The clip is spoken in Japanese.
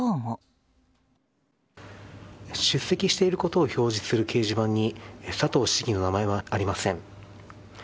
出席していることを表示する掲示板に佐藤市議の名前はありません。